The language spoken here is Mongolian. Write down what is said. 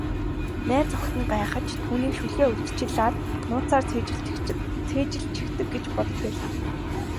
Найз охид нь гайхаж, түүнийг шүлгээ урьдчилаад нууцаар цээжилчихдэг гэж бодож байлаа.